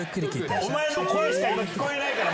お前の声しか聞こえないから！